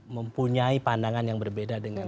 mempunyai pandangan yang berbeda dengan